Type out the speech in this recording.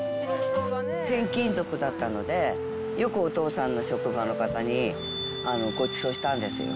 転勤族だったので、よくお父さんの職場の方にごちそうしたんですよ。